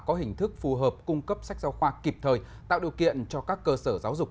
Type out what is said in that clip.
có hình thức phù hợp cung cấp sách giáo khoa kịp thời tạo điều kiện cho các cơ sở giáo dục